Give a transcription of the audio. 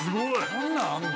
こんなんあるの？